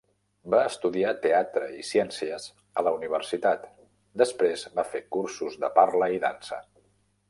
Va estudiar teatre i ciències a la universitat, després va fer cursos de parla i dansa.